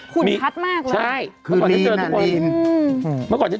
ขุนชัดมากเลย